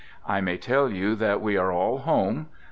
I may tell you that we are all home.